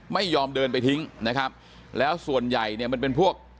ไม่ยอมเดินไปทิ้งนะครับแล้วส่วนใหญ่เนี่ยมันเป็นพวก